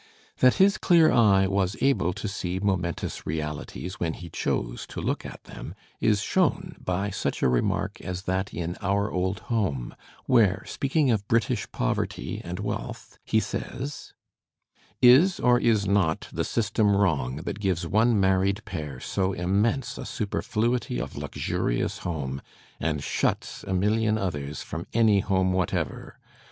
That his clear eye was able to see momentous realities when he chose to look at them is shown by such a remark as that in "Our Old Home," where, speaking of British poverty and wealth, he says: "Is, or is not, the system wrong that gives one married pair so inunense a superfluity of luxurious home and shuts a million others from any home whatever?